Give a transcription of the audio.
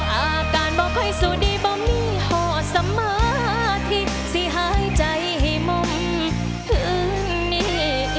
อาการบอกค่อยสู้ดีบ่มีห่อสมาธิสิหายใจให้มงถึงนี่